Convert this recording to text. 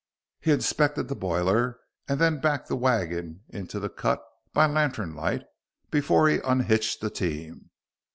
He inspected the boiler and then backed the wagon into the cut by lantern light before he unhitched the team.